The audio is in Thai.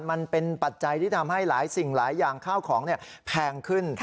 ปัจจัยที่ทำให้หลายสิ่งหลายอย่างข้าวของแพงขึ้น